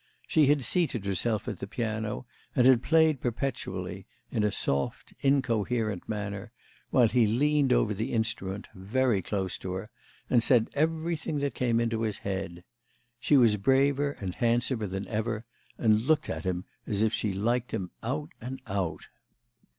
She had seated herself at the piano and had played perpetually, in a soft incoherent manner, while he leaned over the instrument, very close to her, and said everything that came into his head. She was braver and handsomer than ever and looked at him as if she liked him out and out.